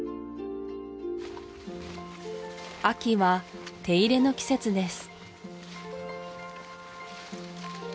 秋は手入れの季節です